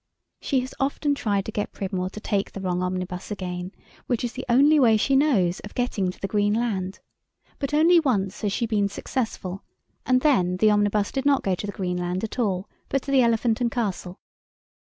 She has often tried to get Pridmore to take the wrong omnibus again, which is the only way she knows of getting to the Green Land; but only once has she been successful, and then the omnibus did not go to the Green Land at all, but to the Elephant and Castle.